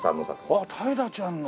あっ平良ちゃんの。